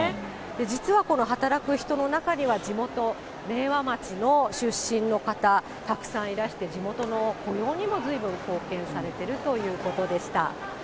実はこの働く人の中には地元、明和町の出身の方、たくさんいらして、地元の雇用にもずいぶん貢献されてるということでした。